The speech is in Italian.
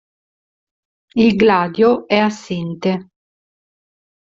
Il gladio è assente.